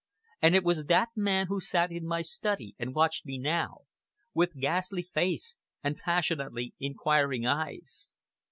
And it was that man who sat in my study and watched me now, with ghastly face and passionately inquiring eyes.